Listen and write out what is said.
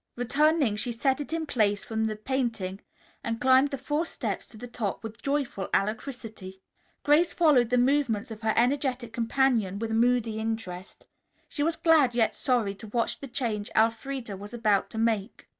Returning she set it in place before the painting and climbed the four steps to the top with joyful alacrity. Grace followed the movements of her energetic companion with moody interest. She was glad yet sorry to watch the change Elfreda was about to make.